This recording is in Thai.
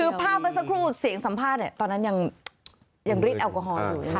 คือภาพไปสักครู่เสียงสัมภาษณ์เนี่ยตอนนั้นยังริดแอลกอฮอล์อยู่